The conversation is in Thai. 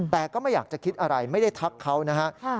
แต่ก็ไม่อยากจะคิดอะไรไม่ได้ทักเขานะฮะ